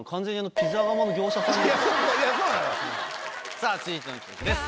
さぁ続いての企画です！